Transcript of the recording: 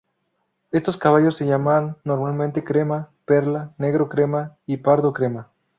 Estos caballos se llaman normalmente crema, perla, negro-crema y pardo-crema.